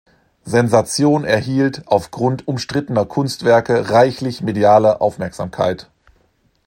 Sensation erhielt aufgrund umstrittener Kunstwerke reichlich mediale Aufmerksamkeit.